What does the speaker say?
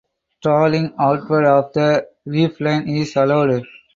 Trolling outward of the reef line is allowed.